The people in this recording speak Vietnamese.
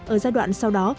ở giai đoạn sau đó